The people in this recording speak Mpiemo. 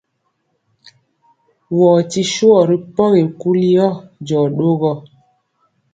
Wɔ ti swɔ ri pɔgi kuli yɔ, jɔ ɗogɔ.